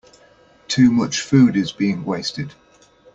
Too much food is being wasted.